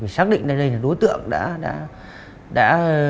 xác định đây đây là đối tượng đã đã